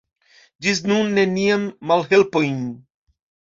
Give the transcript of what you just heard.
Ĝis nun neniajn malhelpojn.